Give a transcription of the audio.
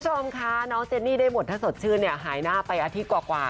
คุณผู้ชมคะเจนนี่ได้บทถสดชื่นหายหน้าไปอาทิตย์กว่า